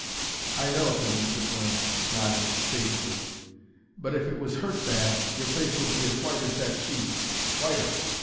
"I know," said Mr. Flynn, nodding sagely; "but if it was hurt bad your face would be as white as that sheet whiter."